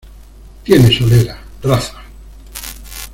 Tiene solera, raza.